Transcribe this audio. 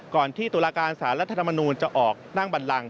ที่ตุลาการสารรัฐธรรมนูลจะออกนั่งบันลัง